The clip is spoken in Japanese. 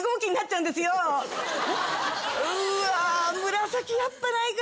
うわぁ紫やっぱないか。